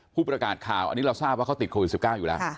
ผู้ประกาศข่าวอันนี้เราทราบว่าเขาติดโควิด๑๙อยู่แล้ว